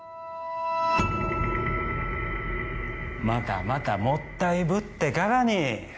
またまたもったいぶってからに。